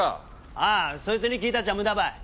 ああそいつに訊いたっちゃ無駄ばい。